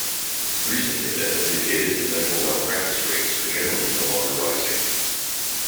Recent data have indicated that medical malpractice rates are generally no longer rising.